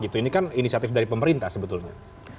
ini kan inisiatif dari pemerintah sebetulnya